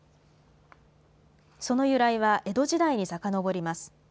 その由来は江戸時代にさかのぼります。